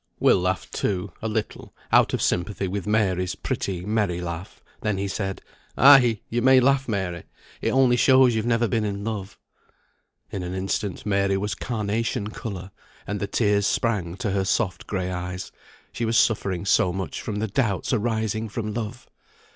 Will laughed, too, a little, out of sympathy with Mary's pretty merry laugh. Then he said "Ay, you may laugh, Mary; it only shows you've never been in love." In an instant Mary was carnation colour, and the tears sprang to her soft gray eyes; she was suffering so much from the doubts arising from love!